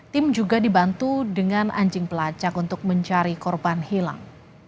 tim juga dibantu dengan anjing pelacak untuk mencari korban hilang